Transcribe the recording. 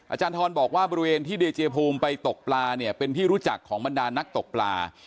อาจารย์ทรบอกว่าบริเวณที่ดีเจภูมิไปตกปลาเนี่ยเป็นที่รู้จักของบรรดานักตกปลา